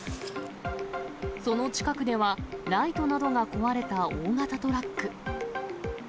その近くでは、ライトなどが壊れた大型トラック。